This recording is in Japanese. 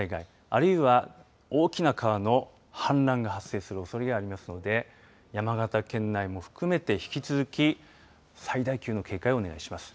あるいは大きな川の氾濫が発生するおそれがありますので山形県内も含めて、引き続き最大級の警戒をお願いします。